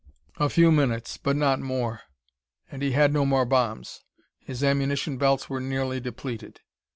A few minutes but not more. And he had no more bombs; his ammunition belts were nearly depleted.